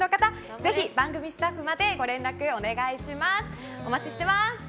ぜひ、番組スタッフまでご連絡お願いします。